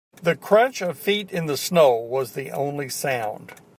The crunch of feet in the snow was the only sound.